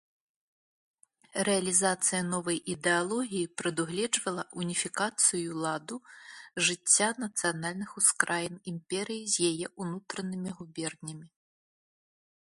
Рэалізацыя новай ідэалогіі прадугледжвала уніфікацыю ладу жыцця нацыянальных ускраін імперыі з яе ўнутранымі губернямі.